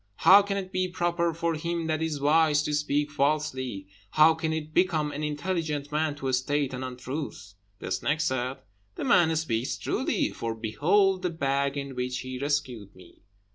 How can it be proper for him that is wise to speak falsely? How can it become an intelligent man to state an untruth?" The snake said, "The man speaks truly, for behold the bag in which he rescued me."